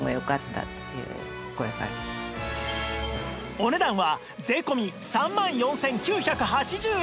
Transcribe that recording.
お値段は税込３万４９８０円